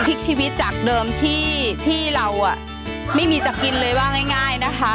พลิกชีวิตจากเดิมที่เราไม่มีจะกินเลยว่าง่ายนะคะ